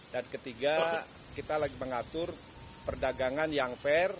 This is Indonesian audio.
dan ketiga kita lagi mengatur perdagangan yang fair